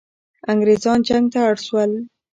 انګریزان جنگ ته اړ سول.